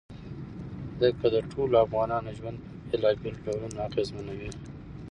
ځمکه د ټولو افغانانو ژوند په بېلابېلو ډولونو اغېزمنوي.